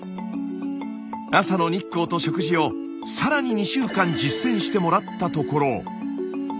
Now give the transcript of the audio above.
朝の日光と食事をさらに２週間実践してもらったところ。